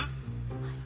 はい。